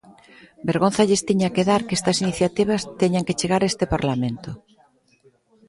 Vergonza lles tiña que dar que estas iniciativas teñan que chegar a este Parlamento.